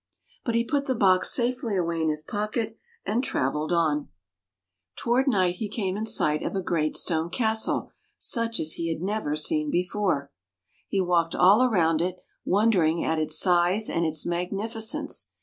But he put the box safely away in his pocket and traveled on. Toward night he came in sight of a great stone castle, such as he never had seen before. He walked all around it, wondering at its size and its magnificence.